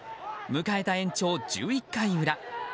迎えた延長１１回裏。